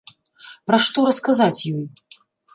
Пра што расказаць ёй?